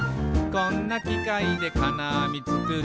「こんなきかいでかなあみつくる」